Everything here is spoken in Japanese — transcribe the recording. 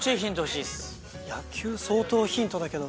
「野球」相当ヒントだけど。